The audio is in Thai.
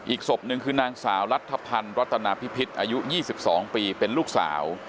อีกศพหนึ่งคือนางสาวรัฐพันธ์รัตนาพิพิษอายุ๒๒ปีเป็นลูกสาว